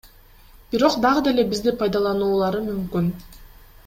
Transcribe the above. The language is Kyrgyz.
Бирок дагы деле бизди пайдалануулары мүмкүн.